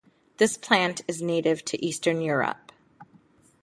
This plant is native to Eastern Europe.